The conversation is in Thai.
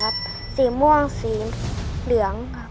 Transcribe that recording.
ใช่นักร้องบ้านนอก